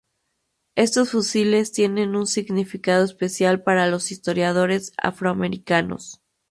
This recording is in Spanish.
Estos fusiles tienen un significado especial para los historiadores afroamericanos.